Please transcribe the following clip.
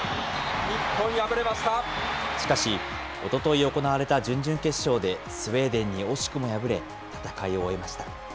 しかし、おととい行われた準々決勝で、スウェーデンに惜しくも敗れ、戦いを終えました。